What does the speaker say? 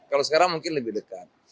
kalau sekarang mungkin lebih dekat